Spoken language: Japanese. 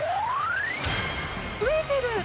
増えている！